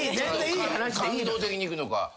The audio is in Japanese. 感動的にいくのか。